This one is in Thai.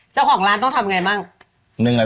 เจ้าของร้านต้องทำไงบ้าง